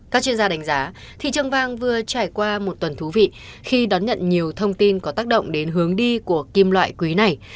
các chuyên gia đánh giá thị trường vàng vừa trải qua một tuần thú vị khi đón nhận nhiều thông tin có tác động đến hướng đi của kim loại quý này